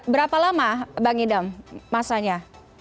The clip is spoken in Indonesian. berapa lama bang hidam massanya